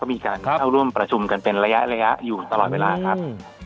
มีการเข้าร่วมประชุมกันเป็นระยะระยะอยู่ตลอดเวลาครับ